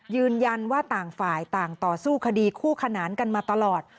ยืนยันว่าต่างฝ่ายต่างต่อสู้คดีคู่ขนานกันมาตลอด